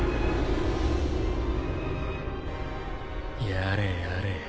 やれやれ。